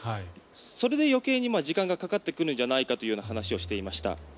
それで余計に時間がかかってくるんじゃないかという話をしていました。